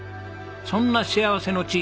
そんな幸せの地